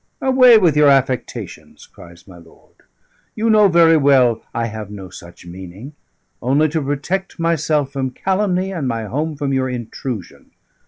"Away with your affectations!" cries my lord. "You know very well I have no such meaning; only to protect myself from calumny, and my home from your intrusion.